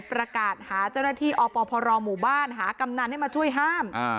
ประกาศหาเจ้าหน้าที่อพรหมู่บ้านหากำนันให้มาช่วยห้าม